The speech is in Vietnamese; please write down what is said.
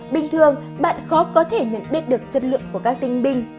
bình thường bạn khó có thể nhận biết được chất lượng của các tinh binh